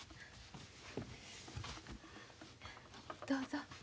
どうぞ。